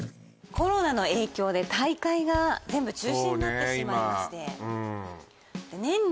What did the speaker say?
コロナの影響で大会が全部中止になってしまいましてそうね